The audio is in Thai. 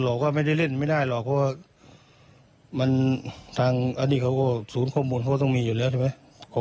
ว่าไม่ได้เล่นไม่ได้หรอกเพราะว่ามันทางอันนี้เขาก็ศูนย์ข้อมูลเขาก็ต้องมีอยู่แล้วใช่ไหม